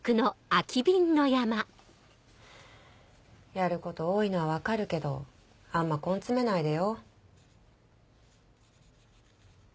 やること多いのは分かるけどあんま根詰めないでよ。